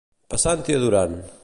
Passant i adorant.